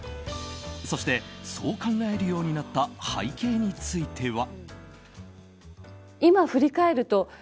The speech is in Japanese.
そして、そう考えるようになった背景については。